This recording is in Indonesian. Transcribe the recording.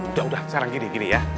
udah udah sekarang gini gini ya